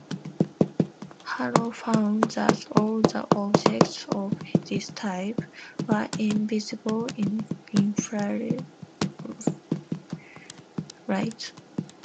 Haro found that all the objects of this type were invisible in infrared light.